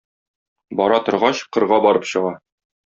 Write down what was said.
Бара торгач, кырга барып чыга.